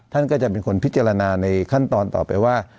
ท่านก็จะเป็นคนพิจารณาในขั้นตอนต่อไปว่า